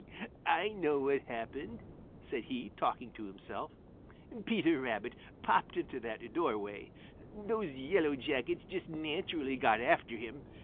"I know what happened," said he, talking to himself. "Peter Rabbit popped into that doorway. Those Yellow Jackets just naturally got after him.